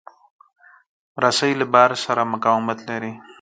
رسۍ له بار سره مقاومت لري.